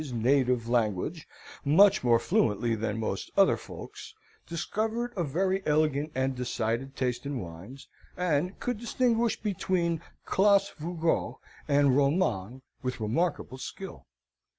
's native language, much more fluently than most other folks, discovered a very elegant and decided taste in wines, and could distinguish between Clos Vougeot and Romande with remarkable skill.